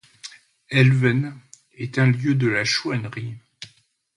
Elven est un lieu de la chouannerie.